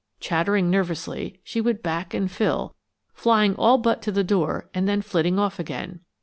Chattering nervously, she would back and fill, flying all but to the door and then flitting off again.